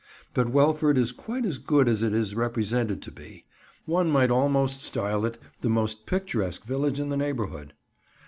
But Welford is quite as good as it is represented to be. One might almost style it the most picturesque village in the neighbourhood.